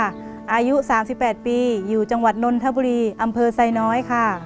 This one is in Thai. อายุ๓๘ปีอยู่จังหวัดนนทบุรีอำเภอไซน้อยค่ะ